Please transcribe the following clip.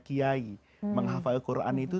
kiai menghafal quran itu